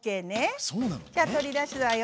じゃあ取り出すわよ。